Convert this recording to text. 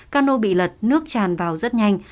cano bị lật nước tràn vào rất nhanh